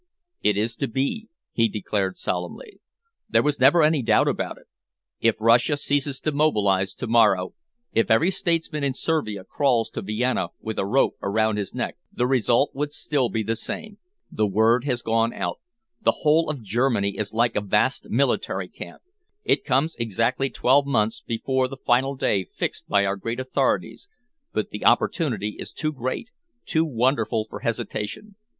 "It is to be," he declared solemnly. "There was never any doubt about it. If Russia ceases to mobilise to morrow, if every statesman in Servia crawls to Vienna with a rope around his neck, the result would still be the same. The word has gone out. The whole of Germany is like a vast military camp. It comes exactly twelve months before the final day fixed by our great authorities, but the opportunity is too great, too wonderful for hesitation.